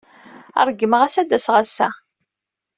Ṛeggmeɣ-as ad d-aseɣ ass-a.